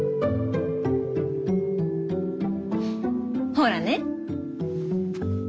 ほらね。